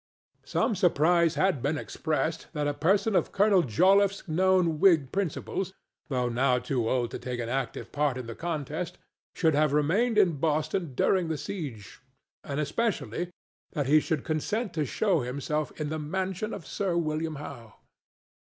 Some surprise had been expressed that a person of Colonel Joliffe's known Whig principles, though now too old to take an active part in the contest, should have remained in Boston during the siege, and especially that he should consent to show himself in the mansion of Sir William Howe.